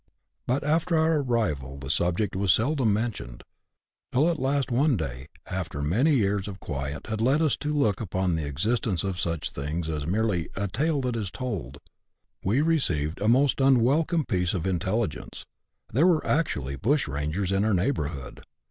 But after our arrival the subject was seldom mentioned, till at last one day, after many years of quiet had led us to look upon the existence of such things as merely "a tale that is told," we received a most unwelcome piece of intelligence — there were actually bushrangers in our neigh» bourhood.